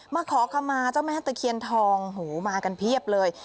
ขอขมาเจ้าแม่ตะเคียนทองหูมากันเพียบเลย